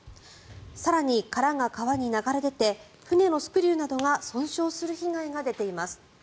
更に、殻が川に流れ出て船のスクリューなどが損傷する被害が出ています。